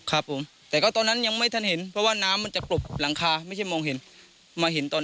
ครับผมแต่ก็ตอนนั้นยังไม่ทันเห็นเพราะว่าน้ำมันจะกลบหลังคาไม่ใช่มองเห็นมาเห็นตอน